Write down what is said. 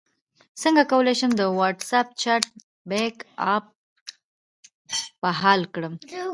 څنګه کولی شم د واټساپ چټ بیک اپ بحال کړم